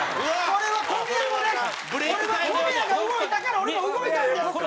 これは小宮が動いたから俺も動いたんです！